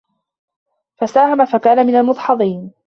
فَساهَمَ فَكانَ مِنَ المُدحَضينَ